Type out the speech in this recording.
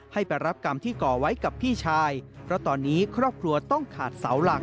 ไปรับกรรมที่ก่อไว้กับพี่ชายเพราะตอนนี้ครอบครัวต้องขาดเสาหลัก